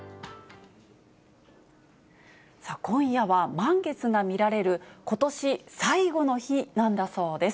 今夜は満月が見られる、ことし最後の日なんだそうです。